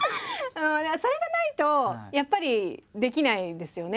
それがないとやっぱりできないですよね。